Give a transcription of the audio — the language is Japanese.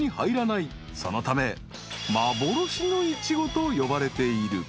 ［そのため幻のイチゴと呼ばれている］